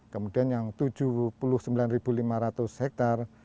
kemudian yang tujuh puluh sembilan lima ratus hektare